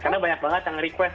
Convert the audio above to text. karena banyak banget yang request